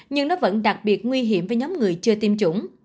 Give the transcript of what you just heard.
nhưng nó vẫn đặc biệt nguy hiểm với nhóm người chưa tiêm chủng